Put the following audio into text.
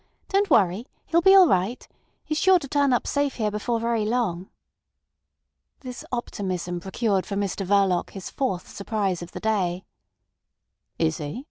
Don't worry. He'll be all right. He's sure to turn up safe here before very long." This optimism procured for Mr Verloc his fourth surprise of the day. "Is he?"